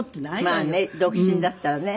まあね独身だったらね。